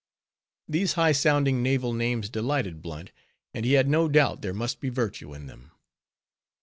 _ These high sounding naval names delighted Blunt, and he had no doubt there must be virtue in them.